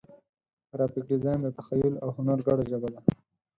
ګرافیک ډیزاین د تخیل او هنر ګډه ژبه ده.